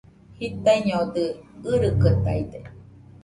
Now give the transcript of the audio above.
Jitaiñodɨ, irikɨtaide